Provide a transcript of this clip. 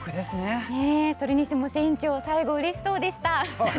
それにしても船長最後うれしそうでした。